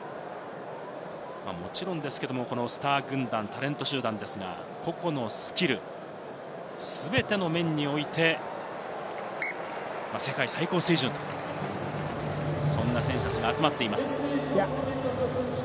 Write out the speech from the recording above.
もちろん、スター軍団、タレント集団ですが、個々のスキル、全ての面において世界最高水準、そんな選手たちが集まっています。